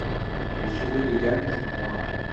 Les cheveux de Yann sont noirs.